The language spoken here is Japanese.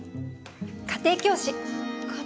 家庭教師⁉